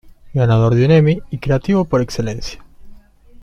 Ganador de un Emmy y creativo por excelencia.